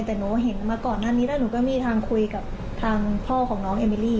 แต่หนูเห็นมาก่อนหน้านี้แล้วหนูก็มีทางคุยกับทางพ่อของน้องเอมิลี่